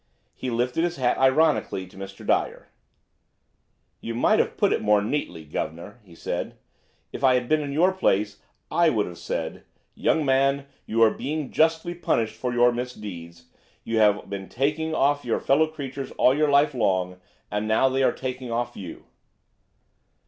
He lifted his hat ironically to Mr. Dyer; "You might have put it more neatly, guv'nor," he said; "if I had been in your place I would have said: 'Young man, you are being justly punished for your misdeeds; you have been taking off your fellow creatures all your life long, and now they are taking off you.'"